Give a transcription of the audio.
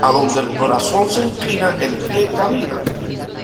Adonde el corazón se inclina, el pie camina.